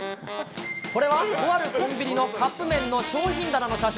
これはとあるコンビニのカップ麺の商品棚の写真。